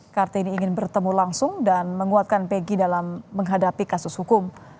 kartini ingin bertemu langsung dan menguatkan begi dalam menghadapi kasus hukum